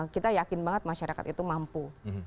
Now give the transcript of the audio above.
kita yakin banget masyarakat itu mampu